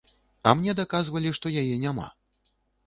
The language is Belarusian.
А мне даказвалі, што яе няма.